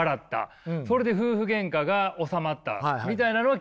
それで夫婦げんかが収まったみたいなのは聞いたことあります。